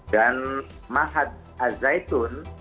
dan mahat al zaitun